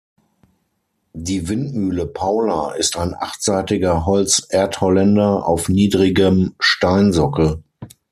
Die Windmühle „Paula“ ist ein achtseitiger Holz-Erdholländer auf niedrigem Steinsockel.